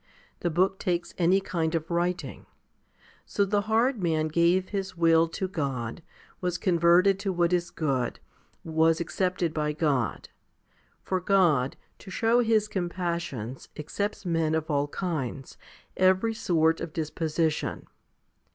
The book takes any kind of writing. So the hard man gave his will to God, was converted to what is good, was accepted by God ; for God, to show His compassions, accepts men of all kinds, every sort of disposition.